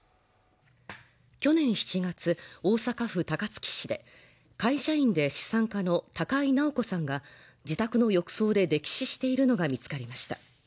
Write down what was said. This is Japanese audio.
去年７月大阪府高槻市で会社員で資産家の高井直子さんが自宅の浴槽で溺死しているのが見つかりました